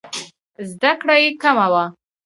زده کړې یې کمه وه.